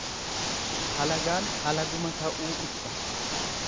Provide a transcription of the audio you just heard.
Halagaan halaguma ta'uu ibsa.